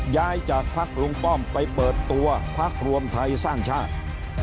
ย้ายจากพักลุงป้อมไปเปิดตัวพักรวมไทยสร้างชาติ